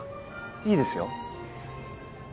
いいですよ